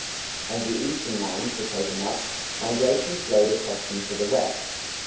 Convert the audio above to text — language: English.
As the eastern lands were taken up migration flowed across them to the west.